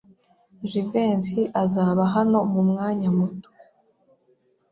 Jivency azaba hano mumwanya muto.